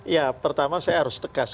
ya pertama saya harus tegas